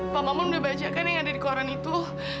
pak maman udah baca kan yang ada di koran itu